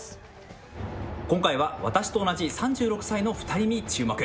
今回は私と同じ３６歳の２人に注目。